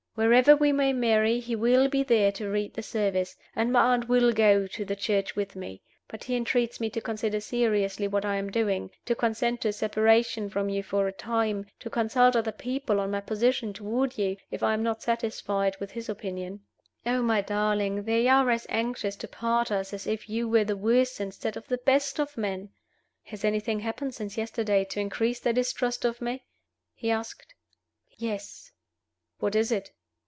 Wherever we may marry, he will be there to read the service, and my aunt will go to the church with me. But he entreats me to consider seriously what I am doing to consent to a separation from you for a time to consult other people on my position toward you, if I am not satisfied with his opinion. Oh, my darling, they are as anxious to part us as if you were the worst instead of the best of men!" "Has anything happened since yesterday to increase their distrust of me?" he asked. "Yes." "What is it?"